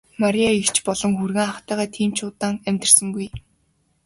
Мария эгч болон хүргэн ахтайгаа тийм ч удаан амьдарсангүй.